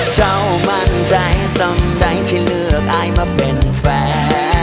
เจ้ามั่นใจที่เลือกไอมาเป็นแฟน